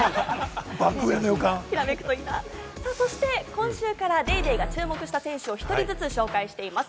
今週から『ＤａｙＤａｙ．』が注目した選手を１人ずつ紹介しています。